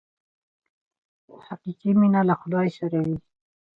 حقیقي مینه له خدای سره وي.